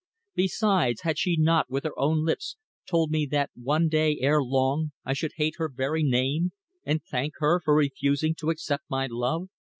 Besides, had she not, with her own lips, told me that one day ere long I should hate her very name, and thank her for refusing to accept my love?